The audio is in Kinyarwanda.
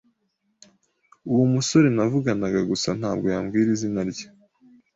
Uwo musore navuganaga gusa ntabwo yambwira izina rye.